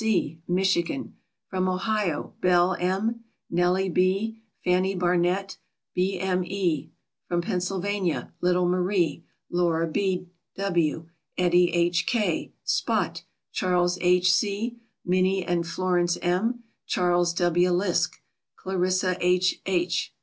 S. C., Michigan. From Ohio Belle M., Nellie B., Fannie Barnett, B. M. E. From Pennsylvania "Little Marie," Laura B. W., Eddie H. K., "Spot," Charles H. C., Minnie and Florence M., Charles W. Lisk, Clarissa H. H.